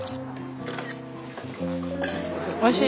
おいしい？